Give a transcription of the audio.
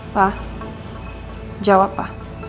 pa jawab pa